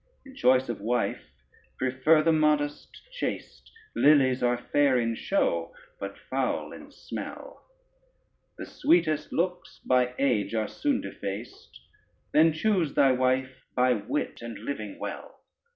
In choice of wife, prefer the modest chaste; Lilies are fair in show, but foul in smell: The sweetest looks by age are soon defaced; Then choose thy wife by wit and living well.